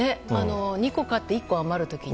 ２個買って、１個余る時に。